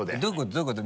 どういうこと？